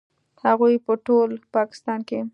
هغوی په ټول پاکستان کې